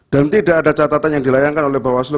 dan tidak ada catatan yang dilayangkan oleh bawaslu